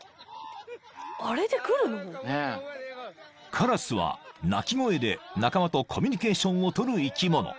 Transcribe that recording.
［カラスは鳴き声で仲間とコミュニケーションを取る生き物］